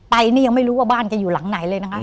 ไปนี่ยังไม่รู้ว่าบ้านจะอยู่หลังไหนเลยนะคะ